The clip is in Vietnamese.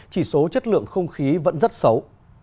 chỉ số chất lượng không khí vẫn rất xấu